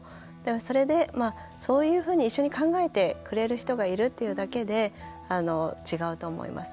それで、そういうふうに一緒に考えてくれるという人がいるだけで違うと思います。